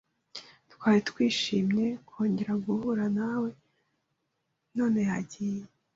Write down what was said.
Twari twishimye kongera guhura nawe none yagiye